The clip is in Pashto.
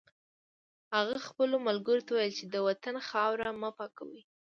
هغه خپلو ملګرو ته وویل چې د وطن خاورې مه پاکوئ